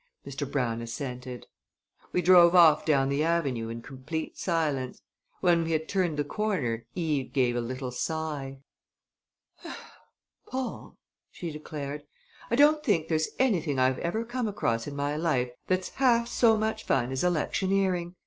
Mr. Brown assented. We drove off down the avenue in complete silence. When we had turned the corner Eve gave a little sigh. "Paul," she declared, "I don't think there's anything I've ever come across in my life that's half so much fun as electioneering!